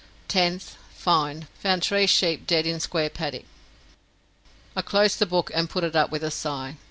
10th. Fine, Found tree sheap ded in sqre padick." I closed the book and put it up with a sigh.